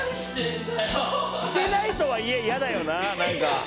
してないとはいえ嫌だよな何か。